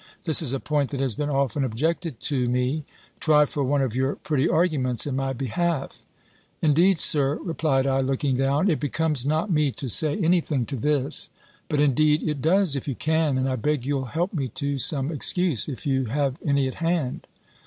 This is a point that has been often objected to me; try for one of your pretty arguments in my behalf." "Indeed, Sir," replied I, looking down, "it becomes not me to say any thing to this." "But indeed it does, if you can: and I beg you'll help me to some excuse, if you have any at hand."